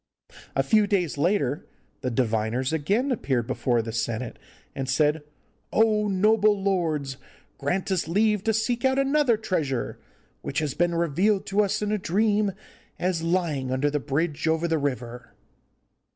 A few days later the diviners again appeared before the senate, and said, 'Oh, noble lords, grant us leave to seek out another treasure, which has been revealed to us in a dream as lying under the bridge over the river.